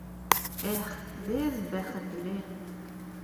— Эх, беҙ бәхетле!